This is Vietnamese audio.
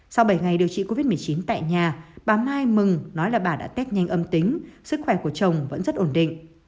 sau bảy ngày điều trị covid một mươi chín tại nhà bà mai mừng nói là bà đã test nhanh âm tính sức khỏe của chồng vẫn rất ổn định